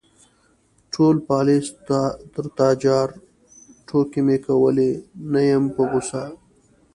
_ټول پالېز تر تا جار، ټوکې مې کولې، نه يم په غوسه.